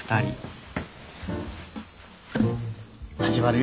始まるよ。